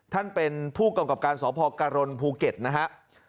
ท่านเป็นผู้กำกับการสพกรณภูเก็ตนะฮะ